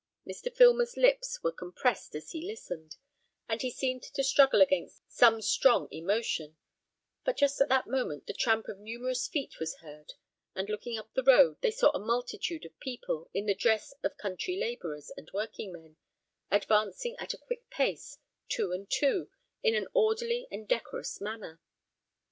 Mr. Filmer's lips were compressed as he listened, and he seemed to struggle against some strong emotion; but just at that moment the tramp of numerous feet was heard, and looking up the road, they saw a multitude of people, in the dress of country labourers and working men, advancing at a quick pace, two and two, in an orderly and decorous manner.